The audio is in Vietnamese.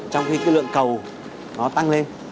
trong khi cái lượng cầu nó tăng lên